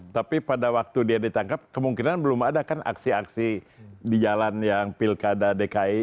tapi pada waktu dia ditangkap kemungkinan belum ada kan aksi aksi di jalan yang pilkada dki